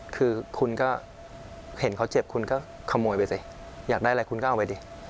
คือคุณก็เห็นเขาเจ็บคุณก็ขโมยไปสิอยากได้อะไรคุณก็เอาไปดิ